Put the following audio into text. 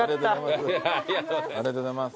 ありがとうございます。